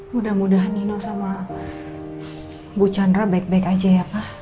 mudah mudahan nino sama bu chandra baik baik aja ya pak